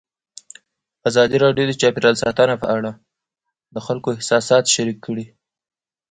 ازادي راډیو د چاپیریال ساتنه په اړه د خلکو احساسات شریک کړي.